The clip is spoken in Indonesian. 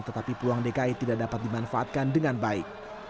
tetapi peluang dki tidak dapat dimanfaatkan dengan baik